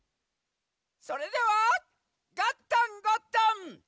それでは「ガッタン＆ゴットン」。